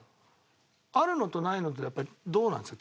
あるのとないのとやっぱりどうなんですか？